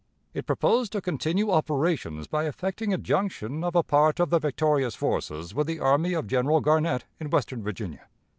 It proposed to continue operations by effecting a junction of a part of the victorious forces with the army of General Garnett in Western Virginia.